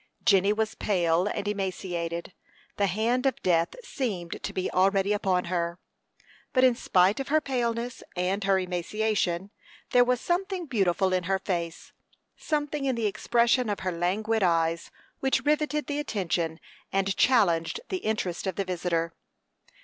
Jenny was pale and emaciated; the hand of death seemed to be already upon her; but in spite of her paleness and her emaciation, there was something beautiful in her face; something in the expression of her languid eyes which riveted the attention and challenged the interest of the visitor.